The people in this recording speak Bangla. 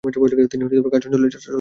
তিনি খাম্স অঞ্চলে যাত্রা করেন।